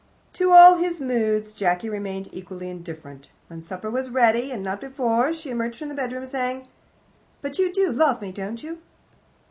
To all his moods Jacky remained equally indifferent. When supper was ready and not before she emerged from the bedroom, saying: "But you do love me, don't you?"